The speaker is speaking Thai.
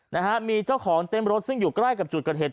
นะฮะมีเจ้าของเต้นรถซึ่งอยู่ใกล้กับจุดเกิดเหตุ